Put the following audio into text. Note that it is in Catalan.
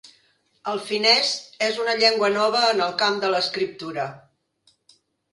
El finès és una llengua nova en el camp de l'escriptura.